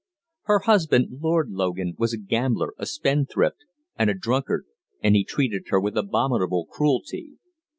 Her husband, Lord Logan, was a gambler, a spendthrift, and a drunkard, and he treated her with abominable cruelty.